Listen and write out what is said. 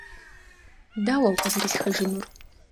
- Дауэ укъызэрисхыжынур?